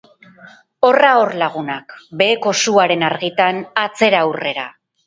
Horra hor lagunak, beheko suaren argitan atzera-aurrera.